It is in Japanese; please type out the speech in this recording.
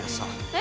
え？